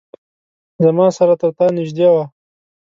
زما سره ترتا نیژدې وه